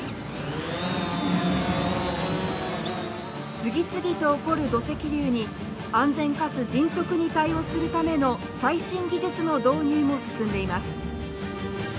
次々と起こる土石流に安全かつ迅速に対応するための最新技術の導入も進んでいます。